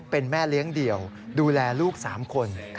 เป็นแม่เลี้ยงเดี่ยวดูแลลูก๓คน